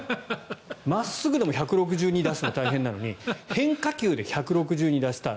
真っすぐでも１６２ｋｍ出すの大変なのに変化球で１６２ｋｍ出した。